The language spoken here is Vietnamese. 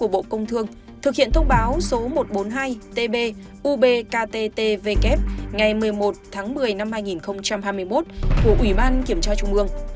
bộ công thương thực hiện thông báo số một trăm bốn mươi hai tb ubkttvk ngày một mươi một tháng một mươi năm hai nghìn hai mươi một của ủy ban kiểm tra trung ương